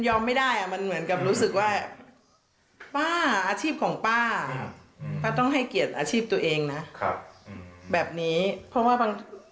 ยอมไม่ได้เหมือนกับรู้สึกว่าอาชีพของป้าก็ต้องให้เกียจอาชีพตัวเองนะครับแบบนี้ต้องฟัง